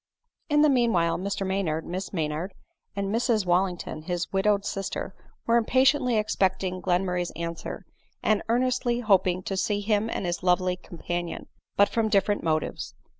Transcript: In the meanwhile Mr Maynard, Miss Maynard, and Mrs Wallington his widowed sister, were impatiently ex pecting Glenmurray's answer, and earnestly hoping to see him and his lovely companion — but from different motives.